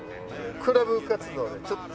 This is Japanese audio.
クラブ活動でちょっと。